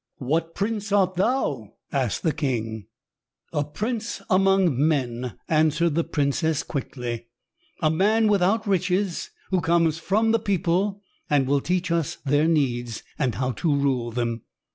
"What prince art thou?" asked the king. "A prince among men," answered the princess quickly. "A man without riches, who comes from the people and will teach us their needs and how to rule them."